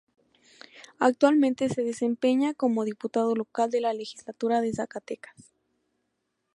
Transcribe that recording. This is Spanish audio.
Actualmente se desempeña como Diputado local de la Legislatura de Zacatecas.